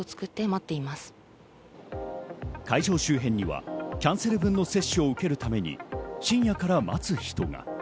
会場周辺にはキャンセル分の接種を受けるために、深夜から待つ人が。